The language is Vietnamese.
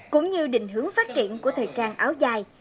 cũng như định hướng phát triển của thời trang áo dài